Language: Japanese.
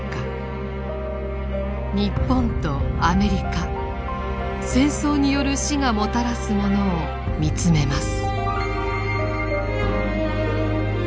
日本とアメリカ「戦争による死」がもたらすものを見つめます。